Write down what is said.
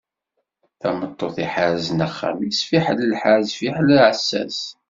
Tameṭṭut iḥerzen axxam-is, fiḥel lḥerz fiḥel aɛessas.